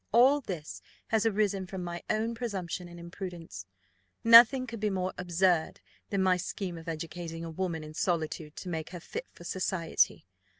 All this has arisen from my own presumption and imprudence. Nothing could be more absurd than my scheme of educating a woman in solitude to make her fit for society.